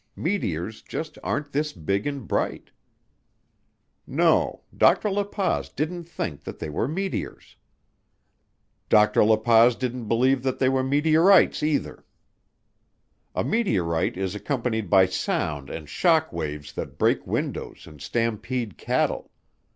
Meteors just aren't this big and bright. No Dr. La Paz didn't think that they were meteors. Dr. La Paz didn't believe that they were meteorites either. A meteorite is accompanied by sound and shock waves that break windows and stampede cattle.